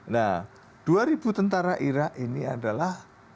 nah dua ribu tentara irak ini adalah